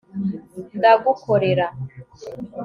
ndagukorera